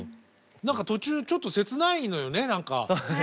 何か途中ちょっと切ないのよね